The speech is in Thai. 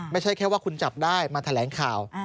ไม่ใช่แค่ว่าคุณจับได้มาแถลงข่าว